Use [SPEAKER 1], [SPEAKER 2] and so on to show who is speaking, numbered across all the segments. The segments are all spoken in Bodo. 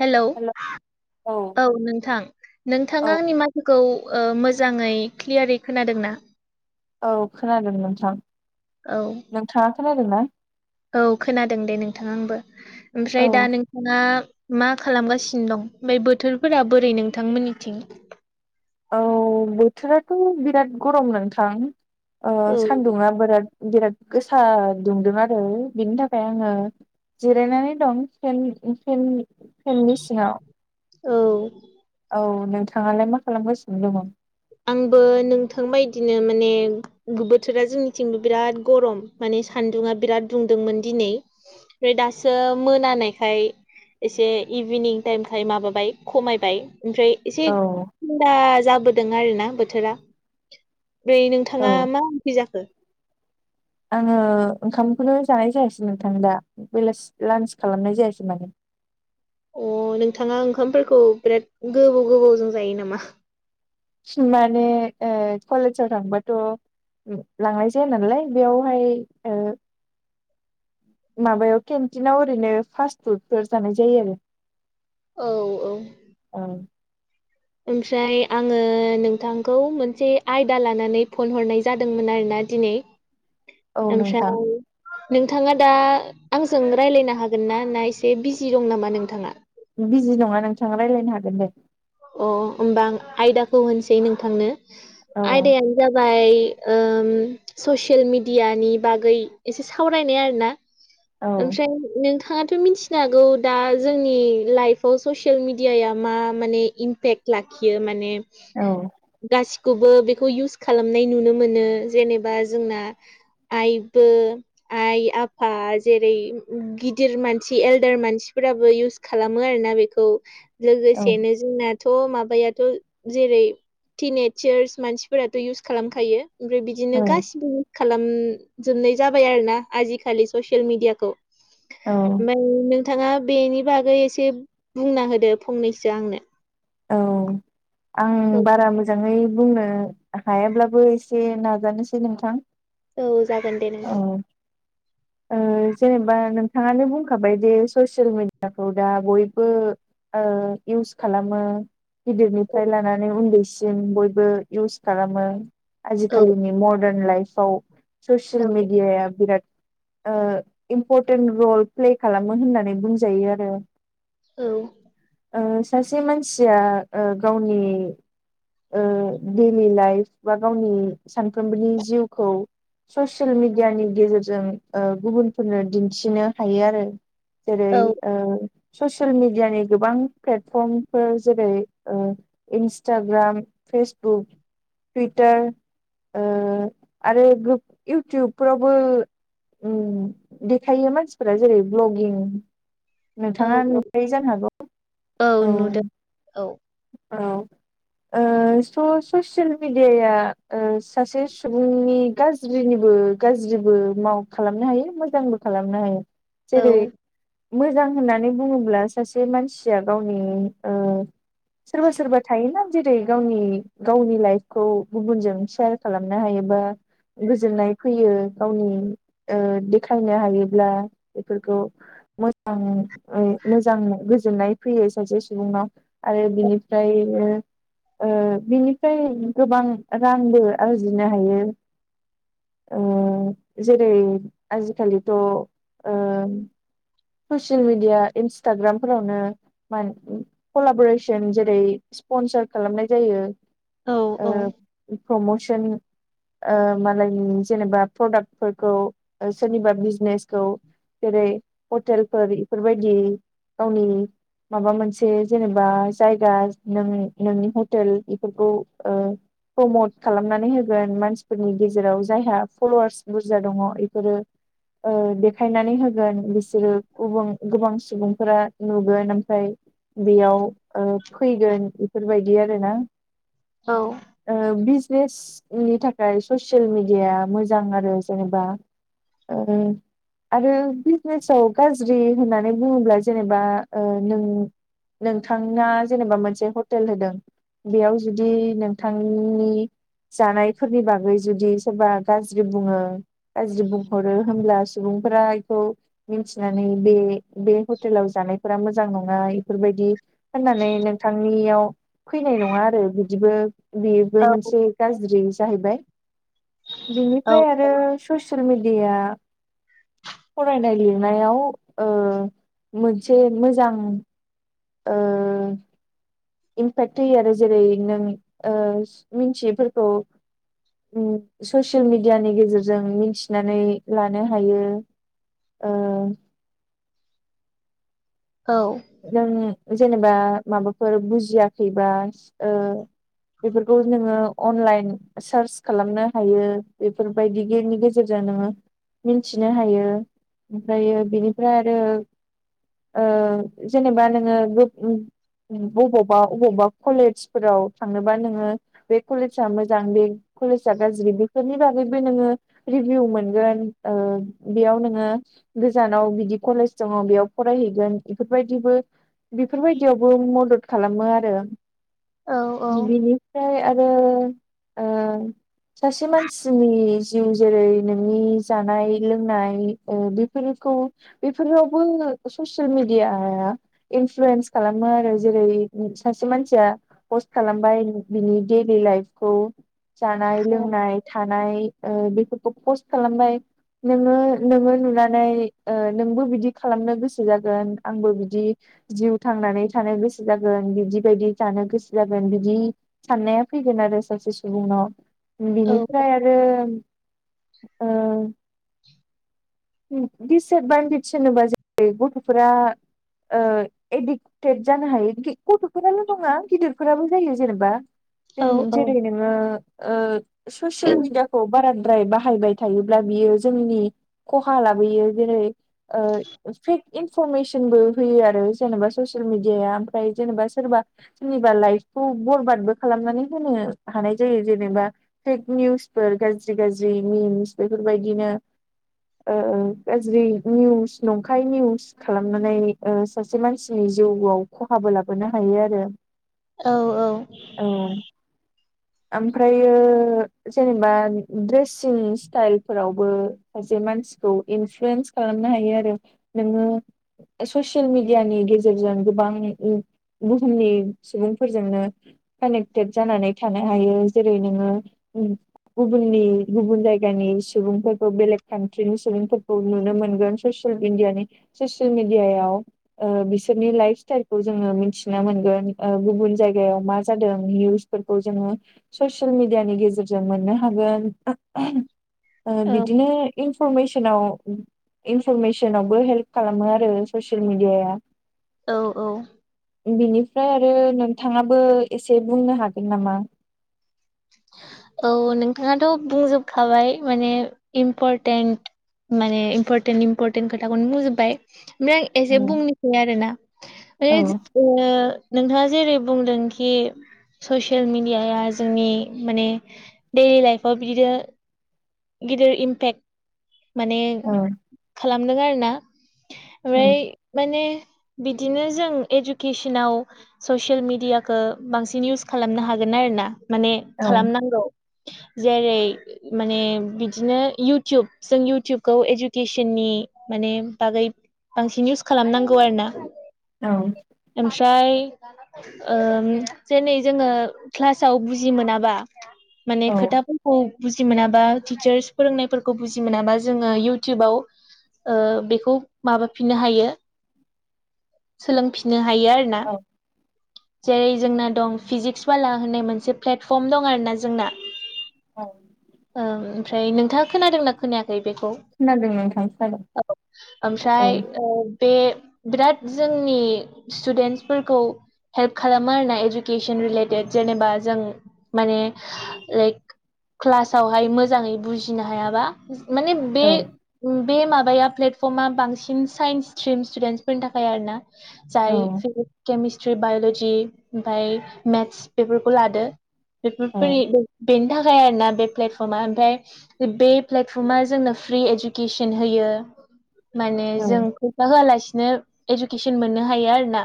[SPEAKER 1] हेलौ
[SPEAKER 2] हेल' औ
[SPEAKER 1] औ नोंथां
[SPEAKER 2] औ
[SPEAKER 1] नोंथाङा आंनि माथोखौ ओ मोजाङै क्लियारै खोनादों ना?
[SPEAKER 2] औ खोनादों नोंथां।
[SPEAKER 1] औ।
[SPEAKER 2] नों थाङा खोनायदों ना
[SPEAKER 1] औ खोनादों दे नोंथाङा आंबो
[SPEAKER 2] औ
[SPEAKER 1] ओमफ्राय दा नोंथाङा मा खालामगासिनो दं ओमफ्राय बोथोरफोरा बोरै नोंथांमोननिथिं
[SPEAKER 2] औ बोथोराथ' बिराद गरम नोंथां
[SPEAKER 1] औ
[SPEAKER 2] सानदुङा बिराद-बिराद गोसा दुंदों आरो बेनि थाखाय आङो जिरायनानै दं फेन फेन फेननि सिङाव
[SPEAKER 1] औ
[SPEAKER 2] औ नोंथाङालाय मा खालामगासिनो दङ
[SPEAKER 1] आंबो नोंथां बदिनो माने बोथोरा जोंनिथिंबो बिराद गरम माने सान्दुा बिराद दुंदोंमोन दिनै ओमफ्राय दासो मोनानायखाय एसे इभिनिं टाइमखाय माबाबाय खमायबाय ओमफ्राय एसे
[SPEAKER 2] औ
[SPEAKER 1] थन्दा जाबोदों आरो ना बोथोरा ओमफ्राय
[SPEAKER 2] औ
[SPEAKER 1] नोंथाङा मा उख्रोय जाखो
[SPEAKER 2] आङो ओंखामखौनो जानाय जायासै नोंथां दा बेलासि लान्स खालामनाय जायासै माने
[SPEAKER 1] अ नोंथाङा ओंखामफोरखौ बिराद गोबाव गोबावजों जायो नामा
[SPEAKER 2] माने कलेजाव थांबाथ' लांनाय जाया नालाय बेयावहाय माबायाव केन्टिनाव ओरैनो फास्ट फुडफोर जानाय जायो आरो
[SPEAKER 1] औ औ
[SPEAKER 2] औ
[SPEAKER 1] ओमफ्राय आङो नोंथांखौ मोनसे आयदा लानानै फन हरनाय जादोंमोन आरोना दिनै
[SPEAKER 2] औ नोंथां
[SPEAKER 1] [unintelligible] नोंथाङा दा आंजों रायज्लायनो हागोन ना ना एसे बिजि दं नामा नोंथाङा
[SPEAKER 2] बिजि नङा नोंथाङा रायज्लायनो हागोन दे
[SPEAKER 1] अ होमबा आ आयदाखौ होनसै नोंथांनो
[SPEAKER 2] औ
[SPEAKER 1] आयदायानो जाबाय ससियेल मिेडियानि बागै एसे सावरायनाय आर ना
[SPEAKER 2] औ
[SPEAKER 1] ओमफ्राय नोंथाङ बे मिथिनो हागौ दा जोंनि लाइफआव ससियेल मिेडियाया मा माने इमपेक्ट लाखियो माने गसि खौबो बेखौ इउस खालामनाय नुनो मोनो जेनेबा जोंना आइबो आइ आफा जेरै गिदिर मानसि एलदार मानसिफोराबो इउस खालामो आरोना बेखौ
[SPEAKER 2] औ
[SPEAKER 1] लोगोसेनो जोंनाथ' माबायाथ' जेरै टिन एजार्स मानसिफोराथ' इउस खालामखायो ओमफ्राय बिदि बिदिनो
[SPEAKER 2] औ
[SPEAKER 1] गासिबो इउस खालामजोबनाय जाबाय आरो ना आजिखालि ससियेल मेडियाखौ
[SPEAKER 2] औ
[SPEAKER 1] मनो नोंथाङा बेनि बागै एसे बुंना होदो फंनैसो आंनो
[SPEAKER 2] औ
[SPEAKER 1] औ
[SPEAKER 2] आं बारा मोजां मोजाङै बुंनो हायाब्लाबो एसे नाजानोसै नोंथां
[SPEAKER 1] औ जागोन दे नोंथां
[SPEAKER 2] औ जेनेबा नोंथाङानो बुंखाबाय जे ससियेल मिेडियाफ्राव दा बयबो इउस खालामो
[SPEAKER 1] औ
[SPEAKER 2] गिदिरनिफ्राय लानानै उन्दैसिम बयबो इउस खालामो
[SPEAKER 1] औ
[SPEAKER 2] आजिखालिनि मदार्न लाइफआव ससियेल
[SPEAKER 1] औ
[SPEAKER 2] मिेडियाया बिराद इम्परटेन्ट रल प्ले खालामो होननानै बुंजायो आरो
[SPEAKER 1] औ
[SPEAKER 2] सासे मानसिया गावनि दैडलि लाइफ बा गावनि सानफ्रोमबोनि जिउखौ ससियेल मिेडियानि गेजेरजों गुबुनफोरनो दिन्थिनो हायो आरो जेरै
[SPEAKER 1] औ
[SPEAKER 2] ससियेल मिडियानि गोबां प्लेटफर्मफोर जेरै- ओ इन्सटाग्राम फेसबुक टुइटार ओ आरो गोब इउटुबफोरावबो देखायो मानसिफोरा जेरै- भ्लगिं नोंथाङा
[SPEAKER 1] औ
[SPEAKER 2] नुखायो जानो हागौ।
[SPEAKER 1] औ नुदों औ
[SPEAKER 2] औ ओ स ससियेल मिडियाया सासे सुबुंनि गाज ज्रिनिबो गाज्रिबो माव खालामनो हायो मोजांबो खालामनो हायो।
[SPEAKER 1] नुदों
[SPEAKER 2] जेरै- मोजां होननानै बुङोब्ला सासे मानस सिया गावनि ओ सोरबा सोरबा थायोना जेरै- गावनि गावनि लाइफखौ गुबुनजों सेयार खालामनो हायोबा गोजोननाय फैयो गावनि ओ देखायनो हायोब्ला एफोरखौ। मोजांयै मोजांयै गोजोननाय फैयो सासे सुबुंनाव आरो बिनिफ्रायनो ओ बिनिफ्राय गोबां रांबो आरजिनो हायो। ओ जेरै- आजिखालिथ' ओ ससियेल मिडिया इन्सटाग्राम फोरावनो मान कलाबरेसन जेरै- स्पनसार खालामनाय जायो।
[SPEAKER 1] औ औ
[SPEAKER 2] ओ प्रम'सन ओ मालायनि जेनेबा प्रडाक्टफोरखौ ओ सोरनिबा बिजनेसखौ जेरै- हटेलफोर इफोरबायदि गावनि माबा मोनसे जेनेबा जायगा नों नोंनि हटेल इफोरखौ ओ प्रमट खालामनानै होगोन मानसिफोरनि गेजेराव जायहा फल'वार्स बुरजा दङ एफोरो ओ देखायनानै होगोन बिसोरो गुबुन गोबां सुबुंफोरा नुगोन आम फ्राय बेयाव ओ फैगोन बेफोरबायदि आरो ना ओ बिजनेस नि थाखाय ससियेल मिडियाया मोजां आरो जेनेबा ओ आरो बिजनेसाव गाज्रि होननानै बुङोब्ला जेनेबा ओ नों नोंथांना जेनेबा मोनसे हटेल होदों। बेयाव जुदि नोंथांनि जानायफोरनि बागै जुदि सोरबा गाज्रि बुङो गाज्रि बुंहरो होमब्ला सुबुंफोरा इखौ मोनथिनानै बे बे हटेलाव जानायफोरा मोज जां नङा इफोरबायदि होननानै नोंथांनियाव फैनाय नङा आरो बिदिबो बेबो
[SPEAKER 1] औ
[SPEAKER 2] मोनसे गाज्रि जाहैबाय
[SPEAKER 1] औ
[SPEAKER 2] बिनिफ्राय आरो ससियेल मिडियाया फरायनाय लिरनायाव ओ मोनसे मोजां ओ इमपेक्ट होयो आरो जेरै- नों ओ मिन्थियैफोरखौ ओम ससियेल मिडियानि गेजेरजों मिनथिनानै लानो हायो। ओ
[SPEAKER 1] औ
[SPEAKER 2] जों जेनेबा माबाफोर बुजियाखैबा ओ बेफोरखौ नोङो अनलाइन सार्च खालामनो हायो बेफोर बायदि गेमनि गेजेरजों नोङो मोनथिनो हायो ओमफ्रायो बेनिफ्राय आरो ओ जेनेबा नोङो गोब ओ बबावबा अबावबा कलेजफोराव थांनोबा नोङो बे कलेजा मोजां बे कलेजआ गाज्रि बे बे फोरनि बागैबो नोङो रिभिउ मोनगोन, बेयाव नोङो गोजानाव बिदि कलेज दङ बेयाव फरायहैगोन। बेफोरबायदिबो बेफोरबायदियावबो मदद खालामो आरो।
[SPEAKER 1] औ
[SPEAKER 2] बिनिफ्राय आरो ओ सासे मानसिनि जिउ जेरै नोंनि जानाय लोंनाय बेफोरखौ बेफोरावबो ससियेल मिेडिया इनफ्लुयेन्स खालामो आरो जेरै सासे मानसिया पस्ट खालामबाय नोंनि दैडलि लाइफ खौ जानाय लोंनाय थानाय। बेफोरखौ पस्ट खालामबाय नोङो नोङो नुनानै नोंबो बिदि खालामनो गोसो जागोन। आंबो बिदि जिउ थांनानै थ गोस गोसो जागोन बिदि बायदि जानो गोसो जागोन बिदि साननाया फैगोन आरो सासे सुबनाव।
[SPEAKER 1] औ
[SPEAKER 2] बिनिफ्राय आरो ओ दिसएदभान्टेज होनोबा [inaudible] गथ'फोरा ओ एदि ट्रेद जानो हायो गथ'फोराल' नङा गिदिरफोराबो जायो जेनेबा।
[SPEAKER 1] औ
[SPEAKER 2] जेरै नोङो ससियेल मिडिया खौ बाराद्राय बाहायबाय थायोब्ला बियो जोंनि खहा लाबोयो जेरै ओ फेक इनफरमेसनबो होयो आरो, जेनेबा ससियेल मिडियाया ओमफ्राय जेनेबा सोरबा सोरनिबा लाइफखौ बरबादबो खालामनानै होनो हानाय जायो जेनेबा। फेक निउसफोर गाज्रि गाज्रि मिम्स बेफोरबायदिनो गाज्रि निउस नंखाय निउस खालामनानै सासे मानसिनि जिउआव खहाबो लाबोनो हायो आरो।
[SPEAKER 1] औ औ।
[SPEAKER 2] औ। ओमफ्रायो जेनेबा द्रेसिं स्टाइल फोरावबो माखासे मानसिखौ इनफ्लुयेन्स खालामनो हायो आरो नोङो ससियेल मिडियानि गेजेरजों गोबां बुहुमनि सुबुंफोरजोंनो कानेक्टेड जानानै थानो हायो जेरै नोङो गुबुननि गुबुन जायगानि सुबुंफोरखौ बेलेग कान्ट्रिनि सुबुंफोरखौ नुनो मोनगोन ससियेल मिडियानि ससियेल मिडियायाव। बिसोरनि लाइफ स्टाइलखौ जोङो मिथिनो मोनगोन, गुबुन जायगायाव मा जादों निउस फोरखौ जोङो ससियेल मिडियानि गेजेरजों मोननो हागोन। बिदिनो इनफरमेसनाव इनफरमेसनावबो हेल्प खालामो आरो ससियेल मिडियाया।
[SPEAKER 1] औ औ।
[SPEAKER 2] बिनिफ्राय आरो नोंथाङाबो एसे बुंनो हागोन नामा?
[SPEAKER 1] औ नोंथाङाथ' बुंजोबखाबाय माने इम्परटेन्ट माने इमपरटेन्ट इम्परटेन्ट खोथाखौनो बुंजोबबाय। ओमफ्राय आं एसे
[SPEAKER 2] औ
[SPEAKER 1] बुंनोसै आरोना माने
[SPEAKER 2] औ
[SPEAKER 1] नोंथाङा जेरै बुंदोंखि ससियेल मेडियाया जोंनि माने दैलि लाइफआव बिदिनो गिदिर इम्पेक्ट माने
[SPEAKER 2] औ
[SPEAKER 1] खालामदों आरोना। ओमफ्राय माने बिदिनो जों इडुकेसनाव ससियेल मिडियाखौ बांसिन इउस खालामनो हागोन आरोना। माने
[SPEAKER 2] औ
[SPEAKER 1] खालामनांगौ, जेरै माने बिदिनो इउटुब जों इउटुबखौ इडुकेसननि माने बागै बांसिन इउस खालामनांगौ आरोना।
[SPEAKER 2] औ
[SPEAKER 1] ओमफ्राय जेनै जोङो क्लासाव बुजि मोनाबा माने
[SPEAKER 2] औ
[SPEAKER 1] खोथाफोरखौ बुजि मोनाबा टिचार्स फोरोंनायफोरखौ बुजि मोनाबा जोङो इउटुबाव ओ बेखौ माबाफिननो हायो सोलोंफिननो हायो आरो ना जेरै जोंना दं फिजिक्स बाला होननाय मोनसे प्लेटफर्म दं आरोना जोंना
[SPEAKER 2] औ
[SPEAKER 1] ओम ओमफ्राय नोंथाङा खोनादोंना खोनायाखै बेखौ
[SPEAKER 2] खोनादों नोंथां खोनादों
[SPEAKER 1] औ ओमफ्राय औ बे बिराद जोंनि स्टुडेन्टसफोरखौ हेल्प खालामो आरोना इडुकेसन रिलेटेड जेनेबा जों माने लाइक क्लासावहाय मोजाङै बुजिनो हायाबा माने बे
[SPEAKER 2] औ
[SPEAKER 1] बे माबाया प्लेटफर्मा बांसिन साइन्स स्ट्रिम स्टुदेन्टसफोरनि थाखाय आरोना
[SPEAKER 2] औ
[SPEAKER 1] जाय फिजिक्स केमिस्ट्रि बाय'ल'जि ओमफ्राय मेथ्स बेफोरखौ लादो
[SPEAKER 2] औ
[SPEAKER 1] बेफोरफोरनि बेनि थाखाय आरोना बे प्लेटफर्मा ओमफ्राय बे प्लेटफर्मा जोंनो फ्रि इडुकेसन होयो माने
[SPEAKER 2] औ
[SPEAKER 1] जों फैसा होआलासिनो इडुकेसन मोननो हायो आरोना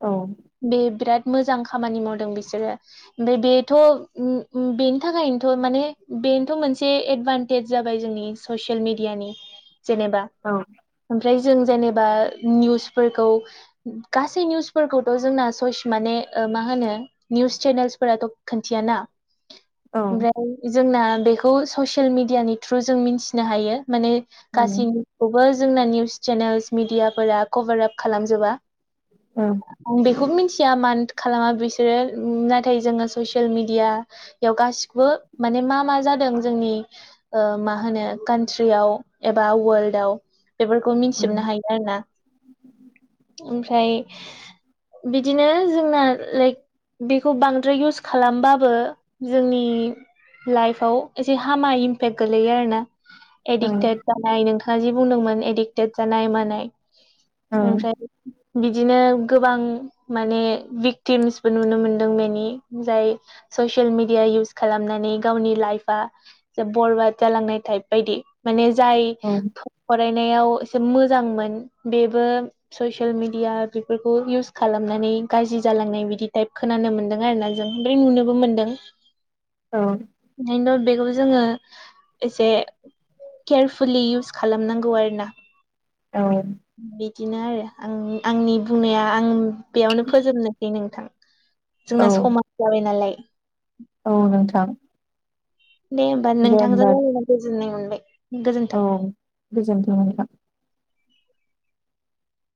[SPEAKER 2] औ
[SPEAKER 1] बे बिराद मोजां खामानि मावदों बिसोरो बेदिथ' ओम ओम बेनि थाखायनोथ' माने बे थ' मोनसे एडभान्टेज जाबाय जोंनि ससियेल मिडियानि जेनेबा
[SPEAKER 2] औ
[SPEAKER 1] ओमफ्राय जों जेनेबा निउसफोरखौ गासै निउसफोरखौथ' जोंना सयस माने ओ मा होनो निउस चेनेल्सफोराथ' खोन्थियाना ओमफ्राय जोंना बेखौ ससियेल मिडियानि थ्रु जों मिथिनो हायो माने गासैनिखौबो जोंना निउस चेनेल्स मिडियाफोरा कभार आप खालामजोबा
[SPEAKER 2] औ
[SPEAKER 1] आं बेखौ मिथिया मानो खालामा बिसोरो नाथाय जोङो ससियेल मिडिया याव गासिखौबो माने मा मा जादों जोंनि ओ मा होनो कान्ट्रियाव एबा वर्ल्डआव बेफोरखौ मिथिजोबनो हायो आरो ना ओमफ्राय बिदिनो जोंना लेक बेखौ बांद्राय इउस खालामबाबो जोंनि लाइफआव एसे हामा इमपेक्ट गोलैयो आरो ना एडिक्टेड बा नाय नोंथाङा जि बुंदोंमोन एडिक्टेड जानाय मानाय ओमफ्राय बिदिनो गोबां माने भिक्टिम्सबो नुनो मोनदों मनि जाय ससियेल मिडिया इउज खालामनानै गावनि लाइफ आ बरबाद जालांनाय बायदि माने जाय फरायनायाव एसे मोजांमोन बेबो ससियेल मिडिया बेफोरखौ इउज खालामनानै गाज्रि जालांनाय बिदि टाइप खोनानो मोन्दों आरोना दों बि नुनोबो मोनदों
[SPEAKER 2] औ
[SPEAKER 1] बेखायनोथ' बेखौबो जोङो एसे केयारफुललि इउस खालामनांगौ आरो ना बिदिनो आरो आं आंनि बुंनाया आं बेयावनो फोजोबनोसै नोंथां जोंना
[SPEAKER 2] औ
[SPEAKER 1] समाज जाबाय नालाय
[SPEAKER 2] औ नोंथां
[SPEAKER 1] दे होमबा
[SPEAKER 2] दे
[SPEAKER 1] नोंथांजों
[SPEAKER 2] होमबा
[SPEAKER 1] रायलायनानै गोजोननाय मोनबाय गोजोन्थों।
[SPEAKER 2] औ गोजोन्थों नोंथां।